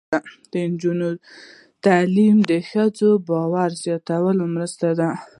د نجونو تعلیم د ښځو باور زیاتولو مرسته ده.